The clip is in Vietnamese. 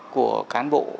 của cán bộ